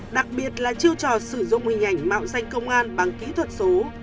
đặc biệt là chiêu trò sử dụng hình ảnh mạo danh công an bằng kỹ thuật số